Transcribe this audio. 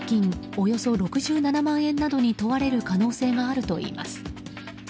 およそ６７万円などに問われる可能性があるといいます。